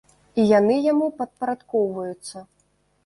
І яны яму падпарадкоўваюцца.